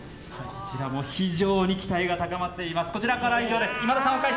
こちらも非常に期待が高まっています。